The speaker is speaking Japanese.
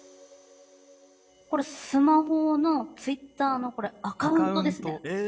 これスマホのツイッターのアカウントですね。